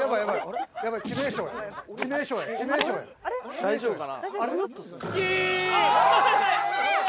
大丈夫かな？